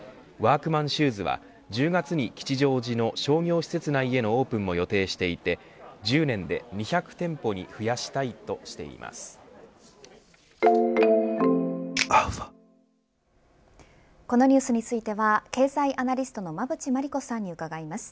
ＷＯＲＫＭＡＮＳｈｏｅｓは１０月に吉祥寺の商業施設内へのオープンも予定していて１０年で２００店舗にこのニュースについては経済アナリストの馬渕磨理子さんに伺います。